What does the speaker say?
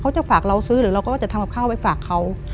เขาจะฝากเราซื้อหรือทำข้าวไปฝากเขา